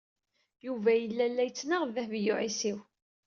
Yuba yella la yettnaɣ d Dehbiya u Ɛisiw.